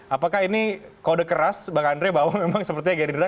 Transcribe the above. apakah ini kode keras bang andre bahwa memang sepertinya gerindra